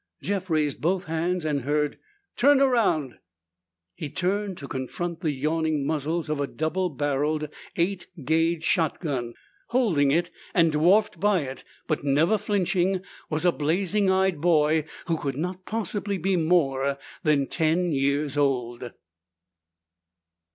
Jeff raised both hands and heard, "Turn around!" He turned to confront the yawning muzzles of a double barreled eight gauge shotgun. Holding it and dwarfed by it, but never flinching, was a blazing eyed boy who could not possibly be more than ten years old.